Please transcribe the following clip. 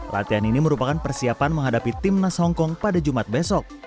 latihan ini merupakan persiapan menghadapi tim nas hongkong pada jumat besok